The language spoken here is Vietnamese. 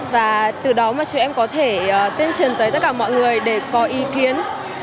và từ đó mà chúng em có thể tuyên truyền tới tất cả mọi người để có ý kiến